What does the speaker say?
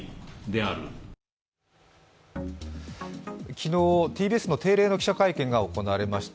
昨日、ＴＢＳの定例の記者会見が行われました。